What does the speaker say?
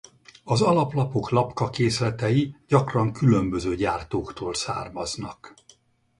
Az alaplapok lapkakészletei gyakran különböző gyártóktól származnak.